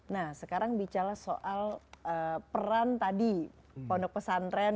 nah sekarang bicara soal peran tadi pondok pesantren